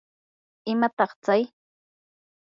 ¿imataq tsay?